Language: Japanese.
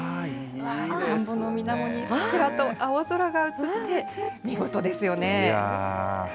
田んぼのみなもに桜と青空が映って、見事ですよね。